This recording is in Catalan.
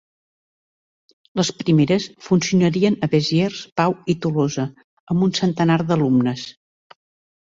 Les primeres funcionarien a Besiers, Pau i Tolosa, amb un centenar d'alumnes.